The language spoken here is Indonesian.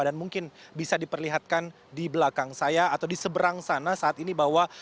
dan mungkin bisa diperlihatkan di belakang saya atau di seberang sana saat ini bahwa